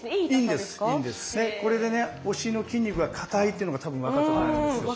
これでねお尻の筋肉が硬いっていうのが多分分かったと思うんですよ。